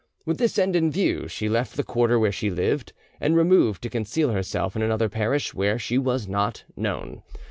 With this end in view, she left the quarter where she lived, and removed to conceal herself in another parish where she was not known.